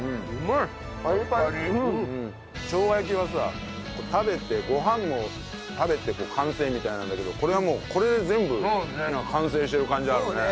しょうが焼きはさ食べてご飯も食べて完成みたいなんだけどこれはもうこれで全部完成してる感じあるよね。